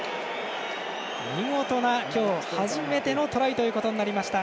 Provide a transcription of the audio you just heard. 見事な今日初めてのトライとなりました。